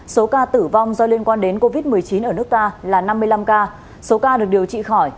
số ca tử vong do liên quan đến covid một mươi chín ở nước ta là năm mươi năm ca số ca được điều trị khỏi